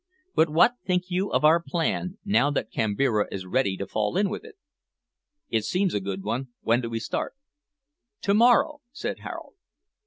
But what think you of our plan, now that Kambira is ready to fall in with it?" "It seems a good one. When do we start?" "To morrow," said Harold.